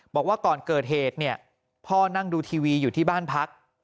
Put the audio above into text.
บอกว่าก่อนเกิดเหตุเนี่ยพ่อนั่งดูทีวีอยู่ที่บ้านพัก